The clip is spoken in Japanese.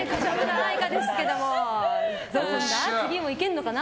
次もいけんのかな？